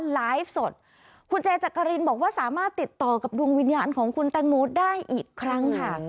ไลฟ์สดคุณเจจักรินบอกว่าสามารถติดต่อกับดวงวิญญาณของคุณแตงโมได้อีกครั้งค่ะ